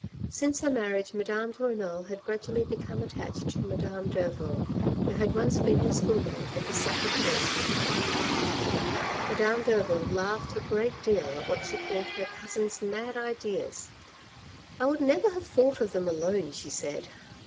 Since her marriage, Madame de Renal had gradually become attached to Madame Derville, who had once been her school mate at the Sacr Coeur. Madame Derville laughed a great deal at what she called her cousin's mad ideas :" I would never have thought of them alone," she said.